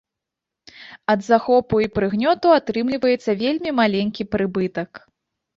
Ад захопу і прыгнёту атрымліваецца вельмі маленькі прыбытак.